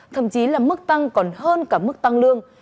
thậm chí là mức tăng còn hơn cả mức tăng lương